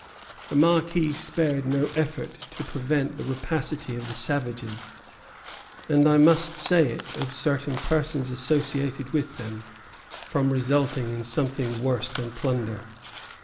The Marquis spared no efforts to prevent the rapacity of the savages and, I must say it, of certain persons associated with them, from resulting in something worse than plunder.